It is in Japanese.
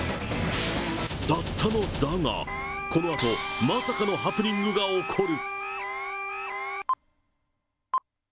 だったのだが、このあと、まさかのハプニングが起こる。